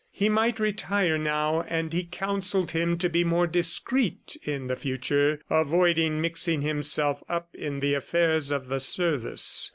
He might retire now, and he counselled him to be more discreet in the future, avoiding mixing himself up in the affairs of the service.